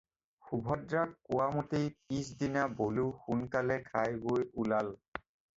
সুভদ্ৰাক কোৱামতেই পিচ দিনা বলো সোনকালে খাই-বৈ ওলাল।